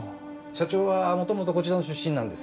社長は元々こちらの出身なんですよ。